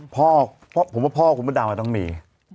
ผมว่าพ่อคุณพระดาวน์ว่าต้องมี